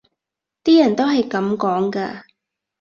啲人都係噉講㗎